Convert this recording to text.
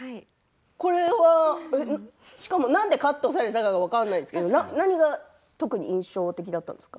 これは、しかもなんでカットされたか分からないですけれど何が特に印象的だったんですか？